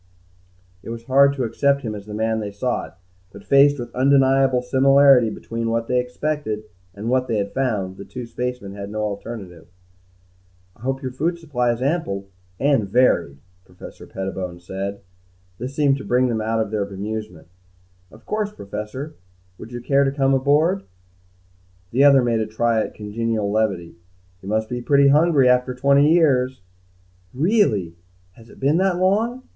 It was hard to accept him as the man they sought, but, faced with undeniable similarity between what they expected and what they had found, the two spacemen had no alternative. "I hope your food supply is ample and varied," Professor Pettibone said. This seemed to bring them out of their bemusement. "Of course, Professor. Would you care to come aboard?" The other made a try at congenial levity. "You must be pretty hungry after twenty years." "Really has it been that long?